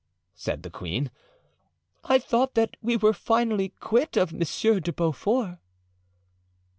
said the queen. "I thought that we were finally quit of Monsieur de Beaufort."